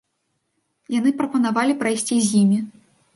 Яны прапанавалі прайсці з імі.